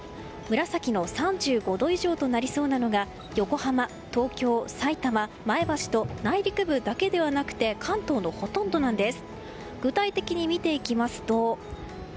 紫の３５度以上となりそうなのが横浜、東京、さいたま、前橋と内陸部だけではなくて関東のほとんどなんです。